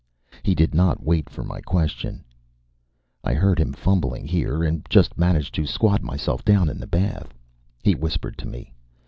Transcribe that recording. He did not wait for my question. "I heard him fumbling here and just managed to squat myself down in the bath," he whispered to me.